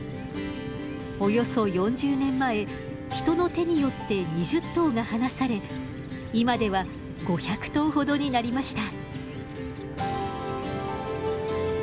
およそ４０年前人の手によって２０頭が放され今では５００頭ほどになりました。